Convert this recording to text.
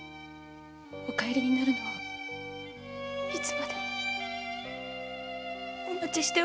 お帰りになるのをいつまでもお待ちしております。